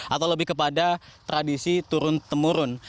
atau lebih kepada tradisi turun temurun